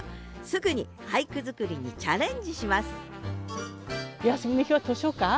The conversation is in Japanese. すぐに俳句作りにチャレンジします！